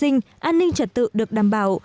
nhưng trật tự được đảm bảo